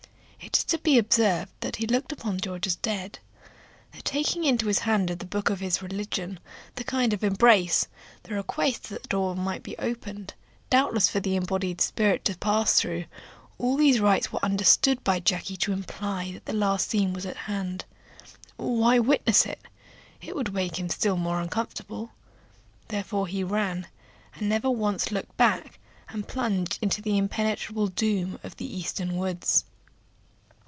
It is to be observed that he looked upon George as dead. The taking into his hand of the book of his religion, the kind embrace, the request that the door might be opened, doubtless for the disembodied spirit to pass out, all these rites were understood by Jacky to imply that the last scene was at hand. Why witness it? it would make him still more uncomfortable. Therefore he ran, and never once looked back, and plunged into the impenetrable gloom of the eastern forests.